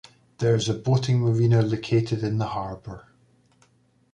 There is a boating marina located in the harbour.